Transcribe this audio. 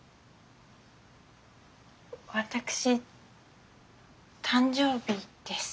私誕生日です。